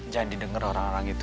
jangan didenger orang orang gitu